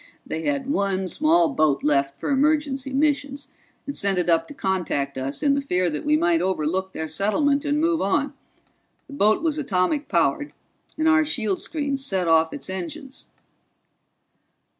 "They had one small boat left for emergency missions, and sent it up to contact us in the fear that we might overlook their settlement and move on. The boat was atomic powered, and our shield screens set off its engines."